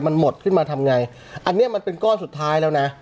มันหมดขึ้นมาทำไงอันนี้มันเป็นก้อนสุดท้ายแล้วนะ